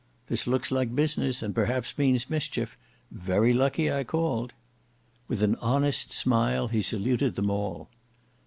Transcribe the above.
"This looks like business and perhaps means mischief. Very lucky I called!" With an honest smile he saluted them all.